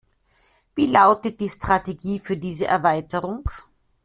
Wie lautet die Strategie für diese Erweiterung?